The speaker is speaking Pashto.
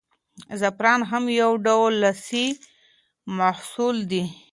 زعفران هم یو ډول لاسي محصول دی.